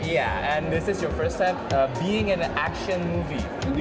jadi saya harus melakukan banyak latihan berlari